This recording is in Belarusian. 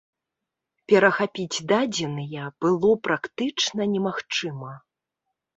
Перахапіць дадзеныя было практычна немагчыма.